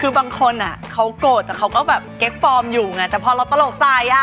อยู่บางคนเขาโกรธแต่เขาก็แบบเก๊กฟอร์มอยู่แต่พอเราตลกทรายอ่ะ